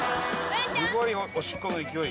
すごいおしっこの勢い。